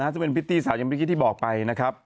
จะเป็นพิธีสายังไม่คิดที่บอกไปนะครับ